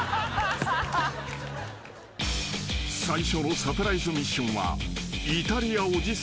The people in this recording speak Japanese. ［最初のサプライズミッションは］